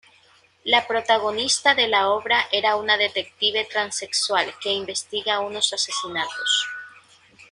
La protagonista de la obra era una detective transexual que investiga unos asesinatos.